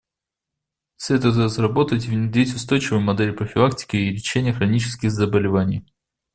Следует разработать и внедрить устойчивые модели профилактики и лечения хронических заболеваний.